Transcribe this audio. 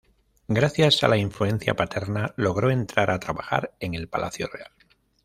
Gracias a la influencia paterna logró entrar a trabajar en el palacio real.